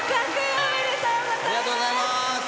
ありがとうございます。